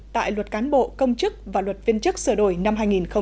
tại luật cán bộ công chức và luật viên chức sửa đổi năm hai nghìn một mươi bốn